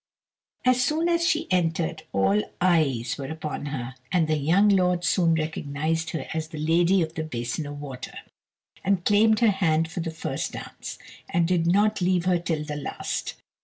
As soon as she entered all eyes were upon her; and the young lord soon recognised her as the lady of the "Basin of Water," and claimed her hand for the first dance, and did not leave her till the last.